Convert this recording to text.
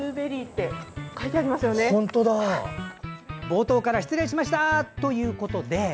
冒頭から失礼しました！ということで。